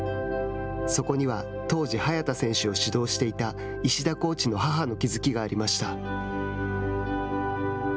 そこには当時早田選手を指導していた石田コーチの母の気付きがありました。